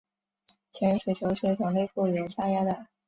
潜水球是一种内部有加压的。